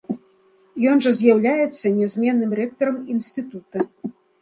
Ён жа з'яўляецца нязменным рэктарам інстытута.